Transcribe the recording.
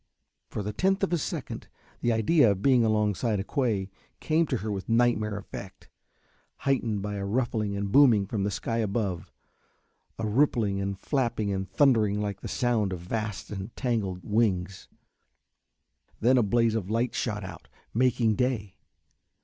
For the tenth of a second the idea of being alongside a quay came to her with nightmare effect, heightened by a ruffling and booming from the sky above, a rippling and flapping and thundering like the sound of vast and tangled wings. Then a blaze of light shot out, making day.